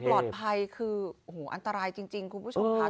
ความปลอดภัยคืออันตรายจริงคุณผู้ชมพัก